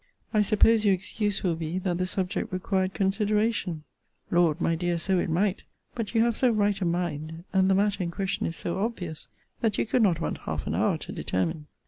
I suppose your excuse will be, that the subject required consideration Lord! my dear, so it might; but you have so right a mind, and the matter in question is so obvious, that you could not want half an hour to determine.